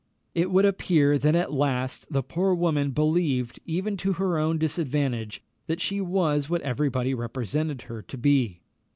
It would appear that at last the poor woman believed, even to her own disadvantage, that she was what every body represented her to be.